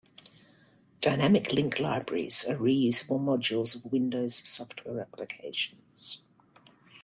Dynamic Link Libraries are reusable modules of windows software applications.